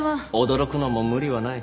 驚くのも無理はない。